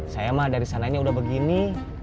saya mah dari sana ini udah begini